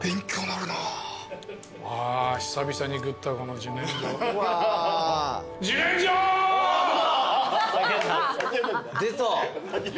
あ久々に食ったこの自然薯。出た。